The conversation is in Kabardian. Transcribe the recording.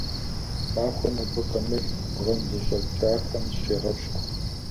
Махуэм абы къамыл, бгъэн зэщӀэкӀахэм зыщегъэпщкӀу.